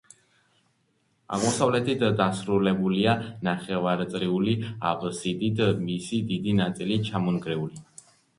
აღმოსავლეთით დასრულებულია ნახევარწრიული აბსიდით, მისი დიდი ნაწილი ჩამონგრეულია.